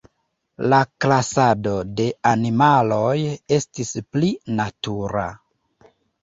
La klasado de animaloj estis pli natura.